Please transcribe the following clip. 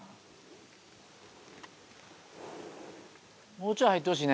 もうちょい入ってほしいね。